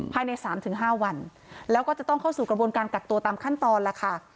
ภายใน๓๕วันแล้วก็จะต้องเข้าสู่กระบวนการกักตัวตามขั้นตอนแล้วค่ะ